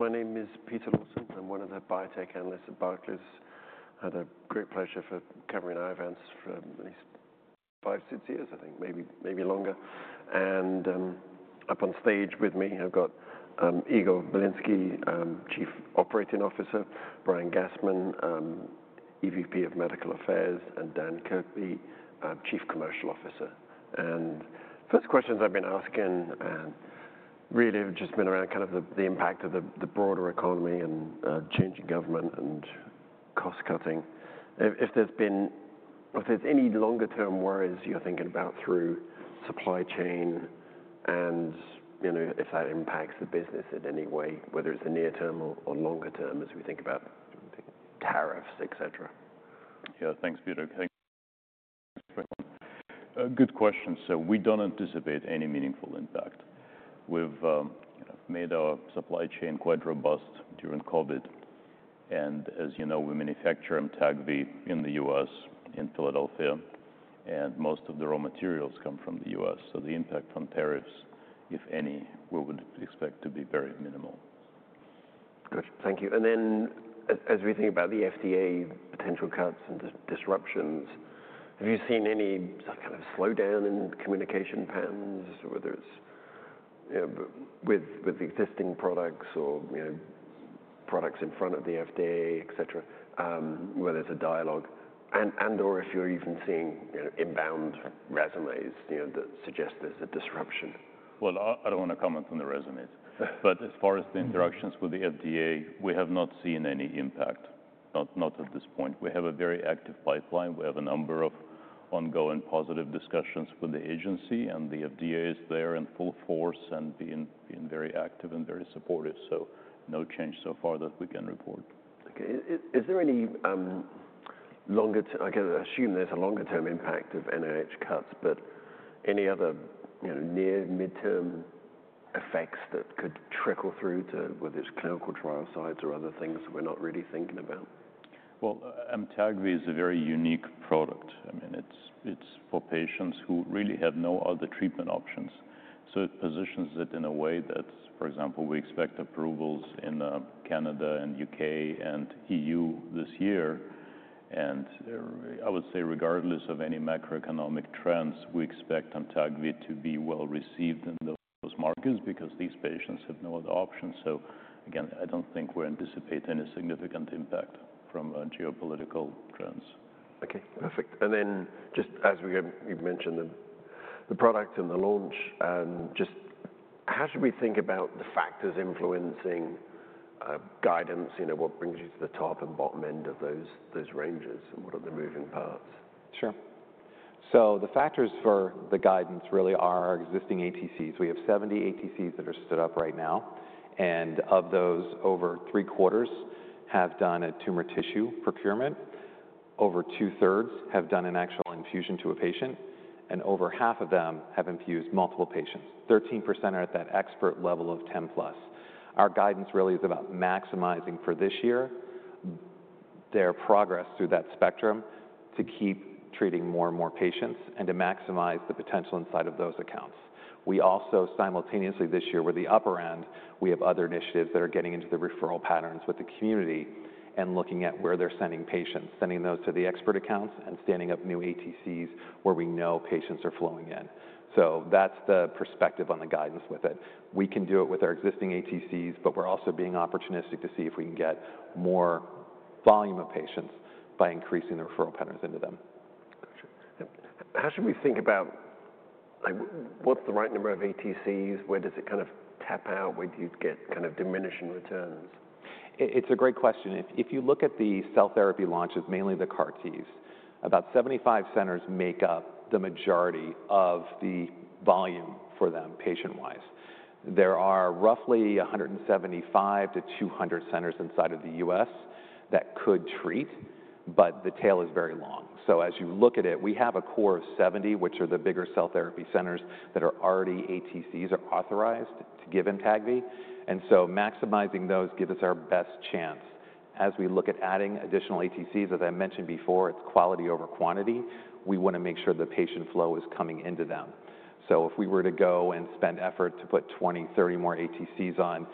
My name is Peter Lawson. I'm one of the biotech analysts at Barclays. I had the great pleasure of covering Iovance for at least five, six years, I think, maybe longer. Up on stage with me I've got Igor Bilinsky, Chief Operating Officer; Brian Gastman, EVP of Medical Affairs; and Dan Kirby, Chief Commercial Officer. The first questions I've been asking really have just been around kind of the impact of the broader economy and changing government and cost-cutting. If there's any longer-term worries you're thinking about through supply chain and if that impacts the business in any way, whether it's the near-term or longer-term as we think about tariffs, etc. Yeah, thanks, Peter. Good question. We do not anticipate any meaningful impact. We have made our supply chain quite robust during COVID. As you know, we manufacture Amtagvi in the US, in Philadelphia, and most of the raw materials come from the US. The impact from tariffs, if any, we would expect to be very minimal. Good. Thank you. As we think about the FDA potential cuts and disruptions, have you seen any kind of slowdown in communication patterns, whether it's with existing products or products in front of the FDA, etc., whether it's a dialogue and/or if you're even seeing inbound resumes that suggest there's a disruption? I don't want to comment on the resumes. As far as the interactions with the FDA, we have not seen any impact, not at this point. We have a very active pipeline. We have a number of ongoing positive discussions with the agency, and the FDA is there in full force and being very active and very supportive. No change so far that we can report. Okay. Is there any longer-term? I can assume there's a longer-term impact of NIH cuts, but any other near-mid-term effects that could trickle through to, whether it's clinical trial sites or other things that we're not really thinking about? Amtagvi is a very unique product. I mean, it's for patients who really have no other treatment options. It positions it in a way that, for example, we expect approvals in Canada and U.K. and EU this year. I would say regardless of any macroeconomic trends, we expect Amtagvi to be well received in those markets because these patients have no other options. Again, I don't think we anticipate any significant impact from geopolitical trends. Okay. Perfect. Just as we mentioned the product and the launch, just how should we think about the factors influencing guidance? What brings you to the top and bottom end of those ranges? What are the moving parts? Sure. The factors for the guidance really are our existing ATCs. We have 70 ATCs that are stood up right now. Of those, over three quarters have done a tumor tissue procurement. Over two-thirds have done an actual infusion to a patient. Over half of them have infused multiple patients. 13% are at that expert level of 10-plus. Our guidance really is about maximizing for this year their progress through that spectrum to keep treating more and more patients and to maximize the potential inside of those accounts. We also simultaneously this year, at the upper end, have other initiatives that are getting into the referral patterns with the community and looking at where they're sending patients, sending those to the expert accounts and standing up new ATCs where we know patients are flowing in. That's the perspective on the guidance with it. We can do it with our existing ATCs, but we're also being opportunistic to see if we can get more volume of patients by increasing the referral patterns into them. How should we think about what's the right number of ATCs? Where does it kind of tap out? Where do you get kind of diminishing returns? It's a great question. If you look at the cell therapy launches, mainly the CAR Ts, about 75 centers make up the majority of the volume for them, patient-wise. There are roughly 175-200 centers inside of the US that could treat, but the tail is very long. As you look at it, we have a core of 70, which are the bigger cell therapy centers that are already ATCs or authorized to give in Amtagvi. Maximizing those gives us our best chance. As we look at adding additional ATCs, as I mentioned before, it's quality over quantity. We want to make sure the patient flow is coming into them. If we were to go and spend effort to put 20, 30 more ATCs on,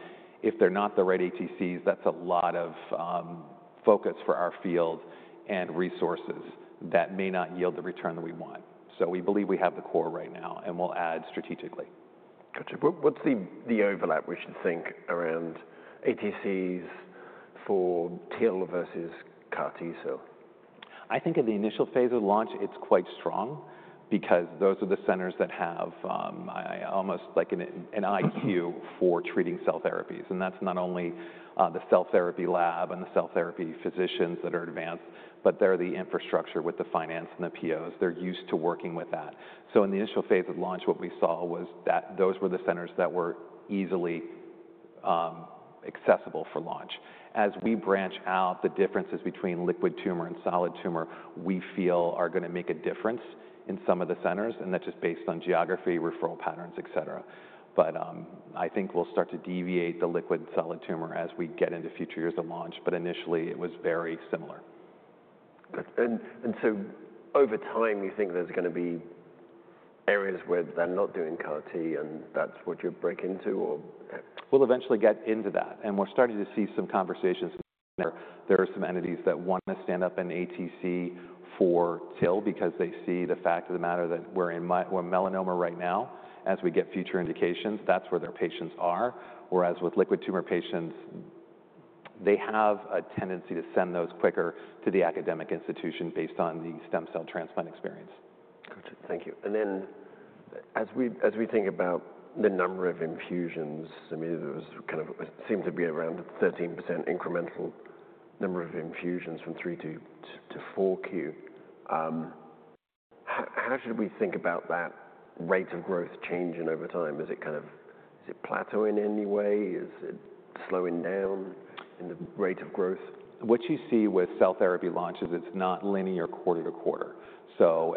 if they're not the right ATCs, that's a lot of focus for our field and resources that may not yield the return that we want. We believe we have the core right now, and we'll add strategically. Gotcha. What's the overlap, we should think, around ATCs for TIL versus CAR T cell? I think in the initial phase of launch, it's quite strong because those are the centers that have almost like an IQ for treating cell therapies. That's not only the cell therapy lab and the cell therapy physicians that are advanced, but they're the infrastructure with the finance and the POs. They're used to working with that. In the initial phase of launch, what we saw was that those were the centers that were easily accessible for launch. As we branch out, the differences between liquid tumor and solid tumor, we feel, are going to make a difference in some of the centers, and that's just based on geography, referral patterns, etc. I think we'll start to deviate the liquid and solid tumor as we get into future years of launch. Initially, it was very similar. Over time, you think there's going to be areas where they're not doing CAR T, and that's what you'll break into or? We'll eventually get into that. We're starting to see some conversations. There are some entities that want to stand up an ATC for TIL because they see the fact of the matter that we're in melanoma right now. As we get future indications, that's where their patients are. Whereas with liquid tumor patients, they have a tendency to send those quicker to the academic institution based on the stem cell transplant experience. Gotcha. Thank you. As we think about the number of infusions, I mean, it seems to be around a 13% incremental number of infusions from 3Q to 4Q. How should we think about that rate of growth changing over time? Is it kind of plateauing in any way? Is it slowing down in the rate of growth? What you see with cell therapy launch is it's not linear quarter to quarter.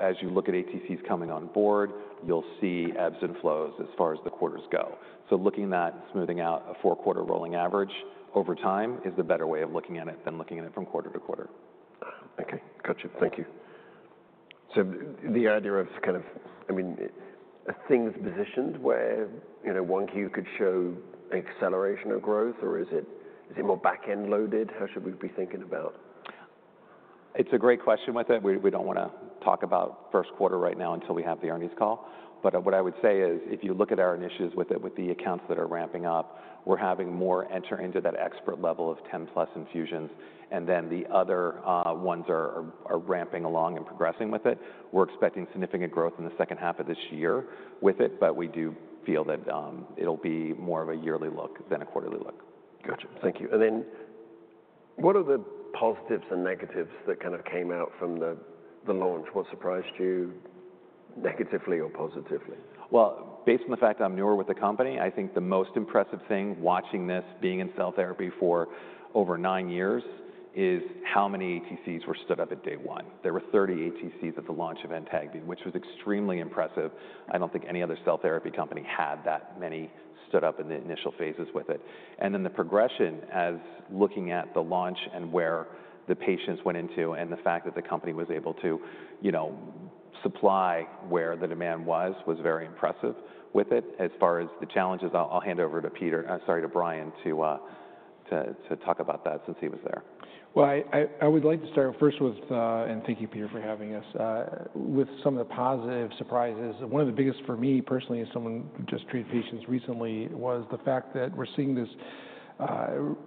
As you look at ATCs coming on board, you'll see ebbs and flows as far as the quarters go. Looking at that and smoothing out a four-quarter rolling average over time is the better way of looking at it than looking at it from quarter to quarter. Okay. Gotcha. Thank you. The idea of kind of, I mean, are things positioned where 1Q could show acceleration of growth, or is it more back-end loaded? How should we be thinking about? It's a great question, my friend. We don't want to talk about first quarter right now until we have the earnings call. What I would say is if you look at our initiatives with the accounts that are ramping up, we're having more enter into that expert level of 10-plus infusions. The other ones are ramping along and progressing with it. We're expecting significant growth in the second half of this year with it, but we do feel that it'll be more of a yearly look than a quarterly look. Gotcha. Thank you. What are the positives and negatives that kind of came out from the launch? What surprised you negatively or positively? Based on the fact I'm newer with the company, I think the most impressive thing watching this being in cell therapy for over nine years is how many ATCs were stood up at day one. There were 30 ATCs at the launch event, which was extremely impressive. I don't think any other cell therapy company had that many stood up in the initial phases with it. The progression as looking at the launch and where the patients went into and the fact that the company was able to supply where the demand was, was very impressive with it. As far as the challenges, I'll hand over to Peter, sorry, to Brian to talk about that since he was there. I would like to start first with, and thank you, Peter, for having us. With some of the positive surprises, one of the biggest for me personally as someone who just treated patients recently was the fact that we're seeing this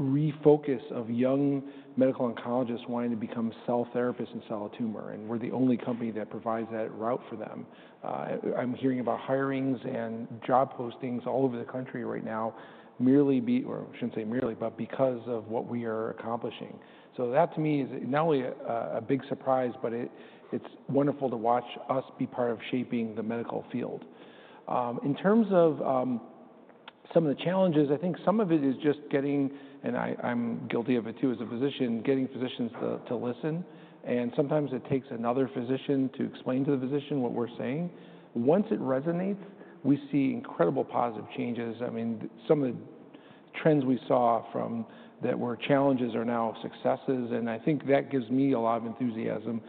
refocus of young medical oncologists wanting to become cell therapists in solid tumor. And we're the only company that provides that route for them. I'm hearing about hirings and job postings all over the country right now, merely beat, or I shouldn't say merely, but because of what we are accomplishing. So that to me is not only a big surprise, but it's wonderful to watch us be part of shaping the medical field. In terms of some of the challenges, I think some of it is just getting, and I'm guilty of it too as a physician, getting physicians to listen. Sometimes it takes another physician to explain to the physician what we're saying. Once it resonates, we see incredible positive changes. I mean, some of the trends we saw that were challenges are now successes. I think that gives me a lot of enthusiasm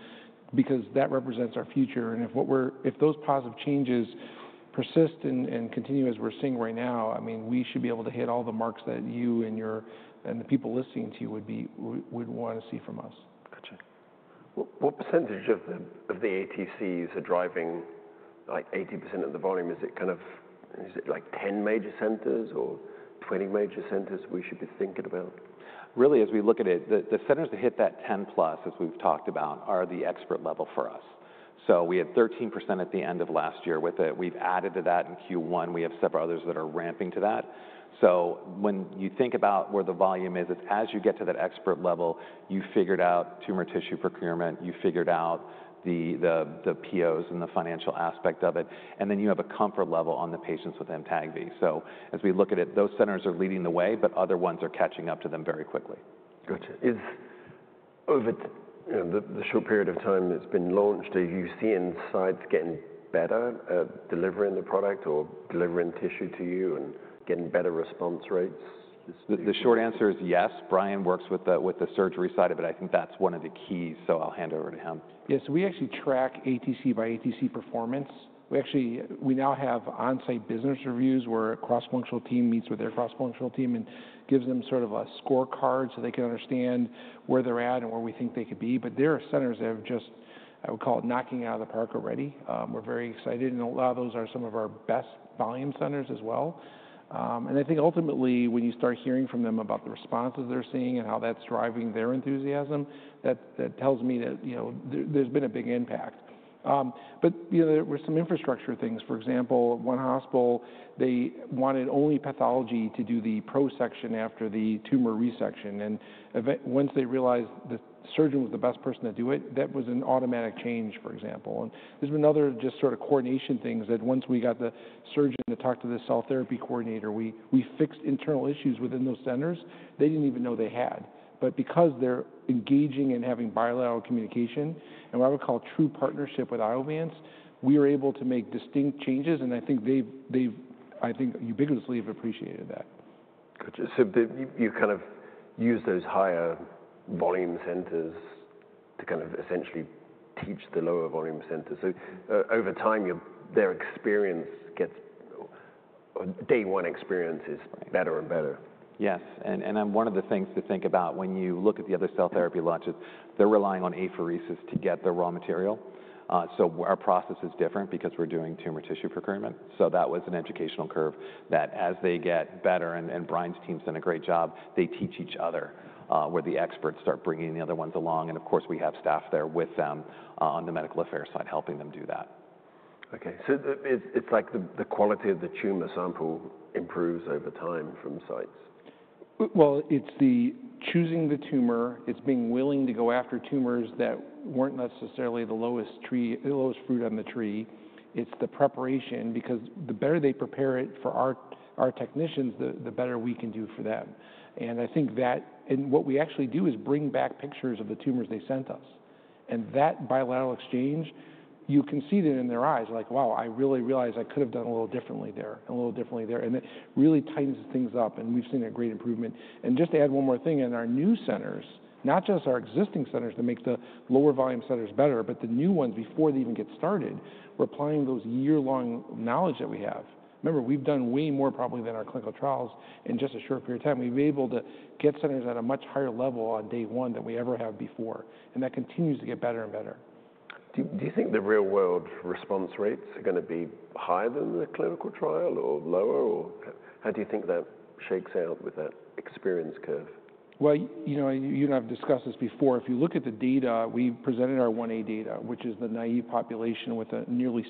because that represents our future. If those positive changes persist and continue as we're seeing right now, I mean, we should be able to hit all the marks that you and the people listening to you would want to see from us. Gotcha. What percentage of the ATCs are driving like 80% of the volume? Is it kind of like 10 major centers or 20 major centers we should be thinking about? Really, as we look at it, the centers that hit that 10-plus, as we've talked about, are the expert level for us. We had 13% at the end of last year with it. We've added to that in Q1. We have several others that are ramping to that. When you think about where the volume is, it's as you get to that expert level, you figured out tumor tissue procurement, you figured out the POs and the financial aspect of it, and then you have a comfort level on the patients within Amtagvi. As we look at it, those centers are leading the way, but other ones are catching up to them very quickly. Gotcha. Over the short period of time that it's been launched, are you seeing sites getting better at delivering the product or delivering tissue to you and getting better response rates? The short answer is yes. Brian works with the surgery side of it. I think that's one of the keys, so I'll hand over to him. Yes. We actually track ATC by ATC performance. We now have on-site business reviews where a cross-functional team meets with their cross-functional team and gives them sort of a scorecard so they can understand where they're at and where we think they could be. There are centers that have just, I would call it, knocking out of the park already. We're very excited. A lot of those are some of our best volume centers as well. I think ultimately, when you start hearing from them about the responses they're seeing and how that's driving their enthusiasm, that tells me that there's been a big impact. There were some infrastructure things. For example, one hospital, they wanted only pathology to do the prosection after the tumor resection. Once they realized the surgeon was the best person to do it, that was an automatic change, for example. There have been other just sort of coordination things that once we got the surgeon to talk to the cell therapy coordinator, we fixed internal issues within those centers. They did not even know they had. Because they are engaging and having bilateral communication and what I would call true partnership with Iovance, we were able to make distinct changes. I think they have, I think, ubiquitously appreciated that. Gotcha. You kind of use those higher volume centers to kind of essentially teach the lower volume centers. Over time, their experience gets, day one experience is better and better. Yes. One of the things to think about when you look at the other cell therapy launches, they're relying on apheresis to get the raw material. Our process is different because we're doing tumor tissue procurement. That was an educational curve that as they get better, and Brian's team's done a great job, they teach each other where the experts start bringing the other ones along. Of course, we have staff there with them on the medical affairs side helping them do that. Okay. It's like the quality of the tumor sample improves over time from sites. It is the choosing the tumor. It is being willing to go after tumors that were not necessarily the lowest fruit on the tree. It is the preparation because the better they prepare it for our technicians, the better we can do for them. I think that what we actually do is bring back pictures of the tumors they sent us. That bilateral exchange, you can see that in their eyes, like, "Wow, I really realized I could have done a little differently there and a little differently there." It really tightens things up. We have seen a great improvement. Just to add one more thing, in our new centers, not just our existing centers that make the lower volume centers better, but the new ones before they even get started, we are applying those year-long knowledge that we have. Remember, we've done way more probably than our clinical trials in just a short period of time. We've been able to get centers at a much higher level on day one than we ever have before. That continues to get better and better. Do you think the real-world response rates are going to be higher than the clinical trial or lower? How do you think that shakes out with that experience curve? You and I have discussed this before. If you look at the data, we presented our 1A data, which is the naive population with a nearly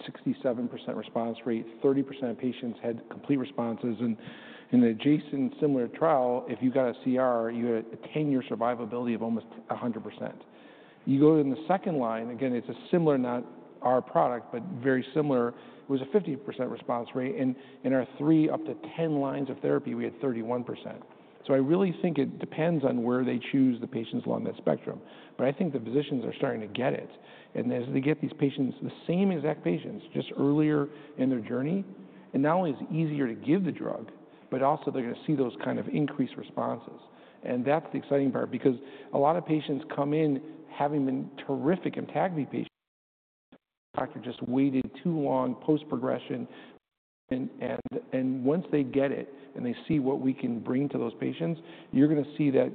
67% response rate. 30% of patients had complete responses. In the adjacent similar trial, if you got a CR, you had a 10-year survivability of almost 100%. You go in the second line, again, it's a similar, not our product, but very similar. It was a 50% response rate. In our three up to 10 lines of therapy, we had 31%. I really think it depends on where they choose the patients along that spectrum. I think the physicians are starting to get it. As they get these patients, the same exact patients, just earlier in their journey, it not only is easier to give the drug, but also they're going to see those kind of increased responses. That's the exciting part because a lot of patients come in having been terrific in Amtagvi patients. The doctor just waited too long post-progression. Once they get it and they see what we can bring to those patients, you're going to see that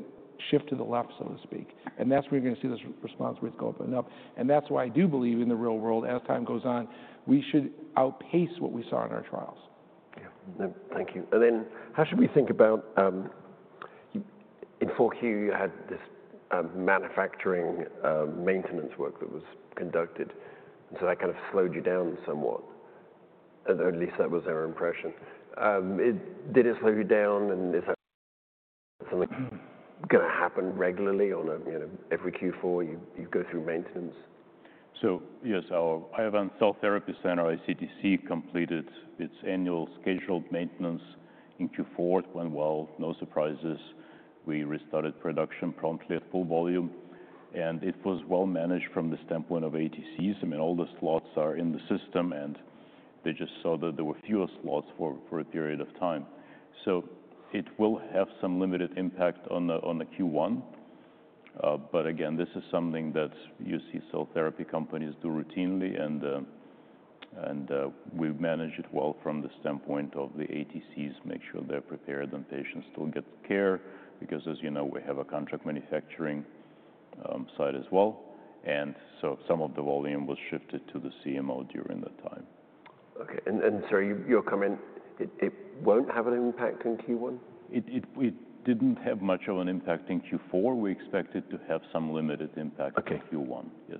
shift to the left, so to speak. That's where you're going to see those response rates go up and up. That's why I do believe in the real world, as time goes on, we should outpace what we saw in our trials. Yeah. Thank you. How should we think about in Q4, you had this manufacturing maintenance work that was conducted. That kind of slowed you down somewhat. At least that was our impression. Did it slow you down? Is that something going to happen regularly on every Q4? You go through maintenance. Yes, our Iovance Cell Therapy Center, ICTC, completed its annual scheduled maintenance in Q4. No surprises. We restarted production promptly at full volume. It was well managed from the standpoint of ATCs. I mean, all the slots are in the system, and they just saw that there were fewer slots for a period of time. It will have some limited impact on Q1. Again, this is something that you see cell therapy companies do routinely. We manage it well from the standpoint of the ATCs, make sure they're prepared and patients still get care because, as you know, we have a contract manufacturing side as well. Some of the volume was shifted to the CMO during that time. Okay. Sorry, you're coming. It won't have an impact in Q1? It didn't have much of an impact in Q4. We expected to have some limited impact in Q1. Yes.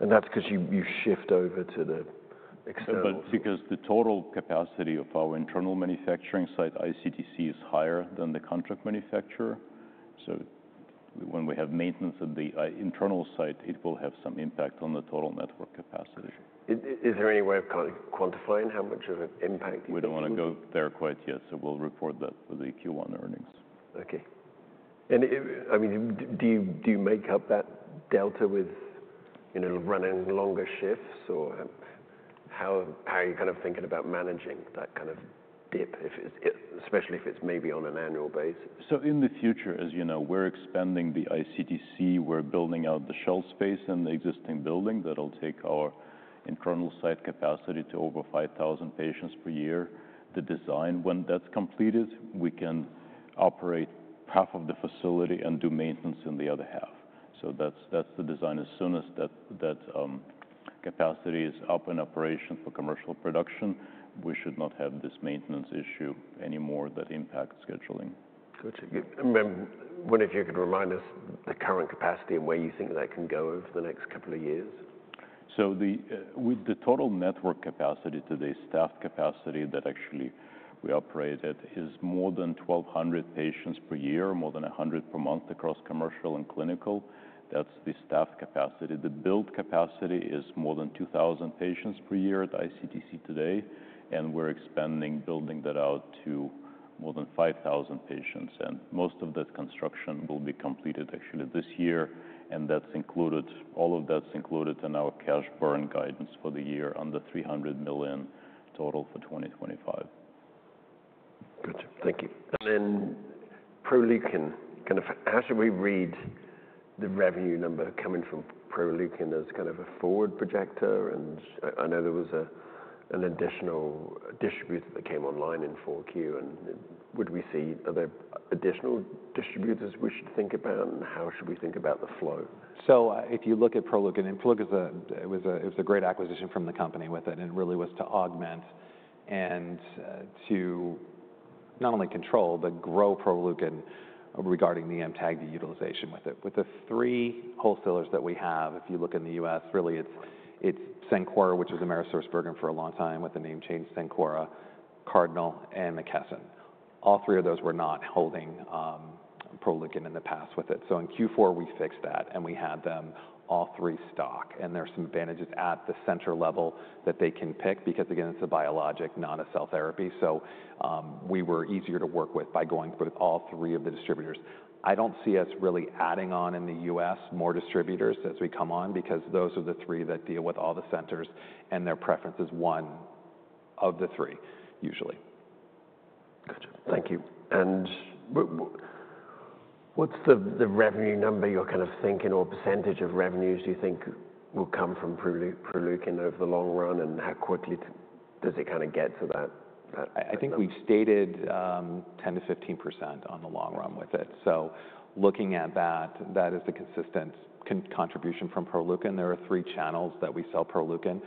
That's because you shift over to the external? Because the total capacity of our internal manufacturing site, ICTC, is higher than the contract manufacturer. When we have maintenance at the internal site, it will have some impact on the total network capacity. Is there any way of kind of quantifying how much of an impact? We don't want to go there quite yet. We'll report that for the Q1 earnings. Okay. I mean, do you make up that delta with running longer shifts? Or how are you kind of thinking about managing that kind of dip, especially if it's maybe on an annual base? In the future, as you know, we're expanding the ICTC. We're building out the shell space in the existing building that will take our internal site capacity to over 5,000 patients per year. The design, when that's completed, we can operate half of the facility and do maintenance in the other half. That's the design. As soon as that capacity is up in operation for commercial production, we should not have this maintenance issue anymore that impacts scheduling. Gotcha. I mean, what if you could remind us the current capacity and where you think that can go over the next couple of years? With the total network capacity today, staff capacity that actually we operate at is more than 1,200 patients per year, more than 100 per month across commercial and clinical. That's the staff capacity. The build capacity is more than 2,000 patients per year at ICTC today. We're expanding building that out to more than 5,000 patients. Most of that construction will be completed actually this year. All of that's included in our cash burn guidance for the year under $300 million total for 2025. Gotcha. Thank you. And then Proleukin, kind of how should we read the revenue number coming from Proleukin as kind of a forward projector? I know there was an additional distributor that came online in Q4. Would we see other additional distributors we should think about? How should we think about the flow? If you look at Proleukin, and Proleukin was a great acquisition from the company with it, and it really was to augment and to not only control, but grow Proleukin regarding the Amtagvi utilization with it. With the three wholesalers that we have, if you look in the US, really it's Cencora, which was AmerisourceBergen for a long time with the name change Cencora, Cardinal, and McKesson. All three of those were not holding Proleukin in the past with it. In Q4, we fixed that, and we had them all three stock. There are some advantages at the center level that they can pick because, again, it's a biologic, not a cell therapy. We were easier to work with by going through all three of the distributors. I don't see us really adding on in the US more distributors as we come on because those are the three that deal with all the centers, and their preference is one of the three usually. Gotcha. Thank you. What's the revenue number you're kind of thinking or percentage of revenues do you think will come from Proleukin over the long run? How quickly does it kind of get to that? I think we've stated 10-15% on the long run with it. Looking at that, that is the consistent contribution from Proleukin. There are three channels that we sell Proleukin.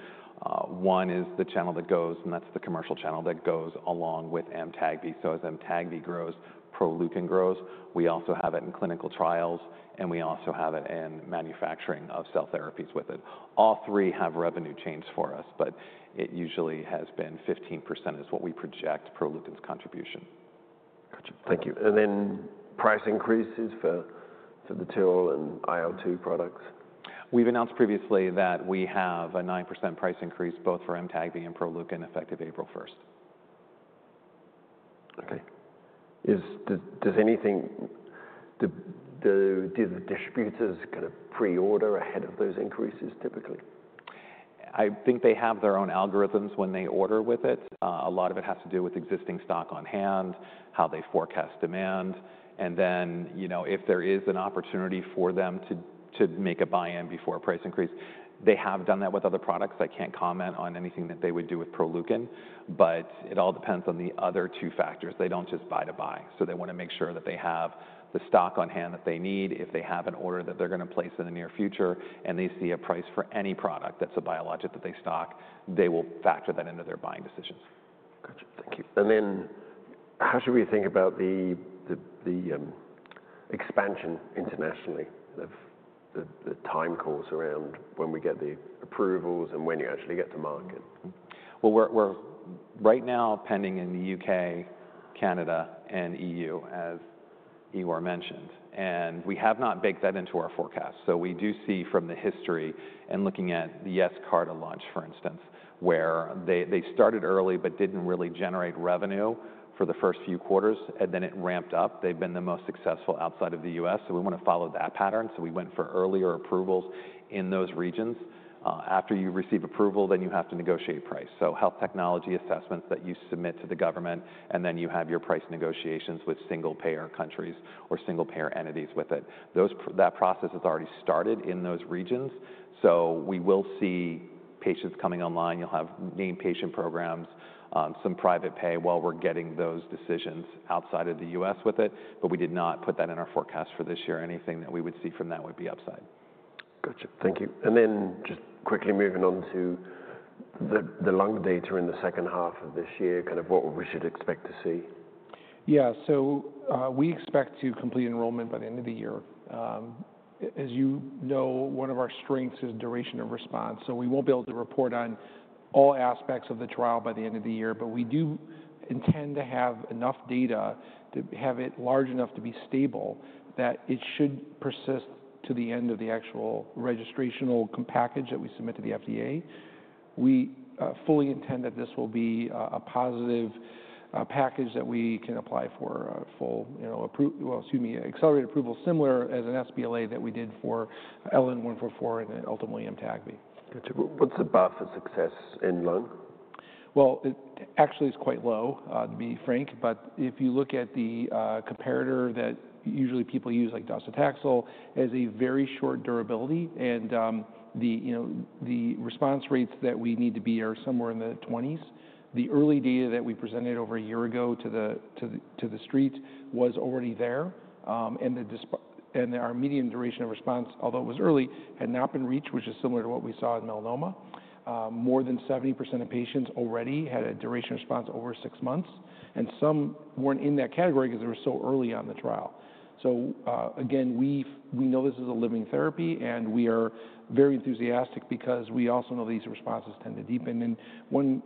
One is the channel that goes, and that's the commercial channel that goes along with Amtagvi. As Amtagvi grows, Proleukin grows. We also have it in clinical trials, and we also have it in manufacturing of cell therapies with it. All three have revenue change for us, but it usually has been 15% is what we project Proleukin's contribution. Gotcha. Thank you. And then price increases for the TIL and IL-2 products? We've announced previously that we have a 9% price increase both for Amtagvi and Proleukin effective April 1st. Okay. Does anything, do the distributors kind of pre-order ahead of those increases typically? I think they have their own algorithms when they order with it. A lot of it has to do with existing stock on hand, how they forecast demand. If there is an opportunity for them to make a buy-in before a price increase, they have done that with other products. I can't comment on anything that they would do with Proleukin, but it all depends on the other two factors. They don't just buy to buy. They want to make sure that they have the stock on hand that they need. If they have an order that they're going to place in the near future and they see a price for any product that's a biologic that they stock, they will factor that into their buying decisions. Gotcha. Thank you. How should we think about the expansion internationally of the time course around when we get the approvals and when you actually get to market? We are right now pending in the U.K., Canada, and EU, as Igor mentioned. We have not baked that into our forecast. We do see from the history and looking at the Yescarta launch, for instance, where they started early but did not really generate revenue for the first few quarters, and then it ramped up. They have been the most successful outside of the U.S. We want to follow that pattern. We went for earlier approvals in those regions. After you receive approval, you have to negotiate price. Health technology assessments that you submit to the government, and then you have your price negotiations with single-payer countries or single-payer entities with it. That process has already started in those regions. We will see patients coming online. You'll have named patient programs, some private pay while we're getting those decisions outside of the U.S. with it. We did not put that in our forecast for this year. Anything that we would see from that would be upside. Gotcha. Thank you. Just quickly moving on to the lung data in the second half of this year, kind of what we should expect to see. Yeah. We expect to complete enrollment by the end of the year. As you know, one of our strengths is duration of response. We won't be able to report on all aspects of the trial by the end of the year. We do intend to have enough data to have it large enough to be stable that it should persist to the end of the actual registrational package that we submit to the FDA. We fully intend that this will be a positive package that we can apply for full, excuse me, accelerated approval similar as an sBLA that we did for LN-144 and ultimately Amtagvi. Gotcha. What's the bar for success in lung? It actually is quite low, to be frank. If you look at the comparator that usually people use like docetaxel, it has a very short durability. The response rates that we need to beat are somewhere in the 20s. The early data that we presented over a year ago to the street was already there. Our median duration of response, although it was early, had not been reached, which is similar to what we saw in melanoma. More than 70% of patients already had a duration of response over six months. Some were not in that category because they were so early on the trial. Again, we know this is a living therapy, and we are very enthusiastic because we also know these responses tend to deepen. One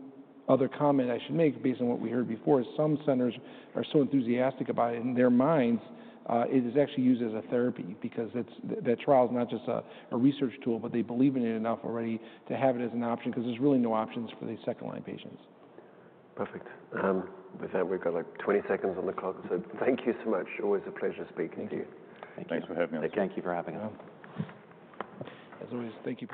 other comment I should make based on what we heard before is some centers are so enthusiastic about it in their minds, it is actually used as a therapy because that trial is not just a research tool, but they believe in it enough already to have it as an option because there's really no options for the second-line patients. Perfect. With that, we've got like 20 seconds on the clock. Thank you so much. Always a pleasure speaking to you. Thank you. Thanks for having us. Thank you for having us. As always, thank you.